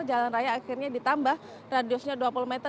jalan raya akhirnya ditambah radiusnya dua puluh meter